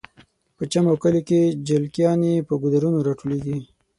په چم او کلیو کې جلکیانې په ګودرونو راټولیږي